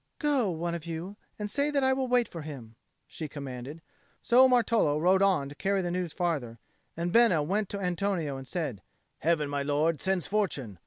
"Go, one of you, and say that I wait for him," she commanded; so Martolo rode on to carry the news farther, and Bena went to Antonio and said, "Heaven, my lord, sends fortune.